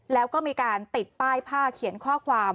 แล้วก็มีการติดป้ายผ้าเขียนข้อความ